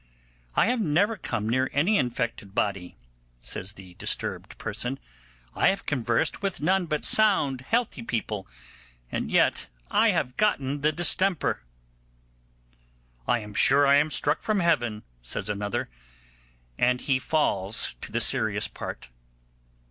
'I have never come near any infected body', says the disturbed person; 'I have conversed with none but sound, healthy people, and yet I have gotten the distemper!' 'I am sure I am struck from Heaven', says another, and he falls to the serious part.